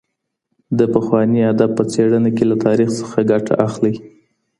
د پخواني ادب په څېړنه کي له تاریخ څخه ګټه اخلئ.